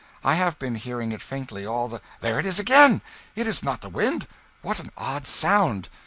I have been hearing it faintly all the there it is again! It is not the wind! What an odd sound!